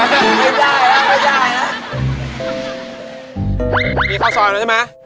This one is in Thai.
มีความซลอยแล้วใช่ไหม